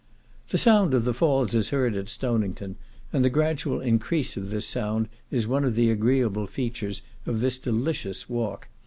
The sound of the falls is heard at Stonington, and the gradual increase of this sound is one of the agreeable features of this delicious walk.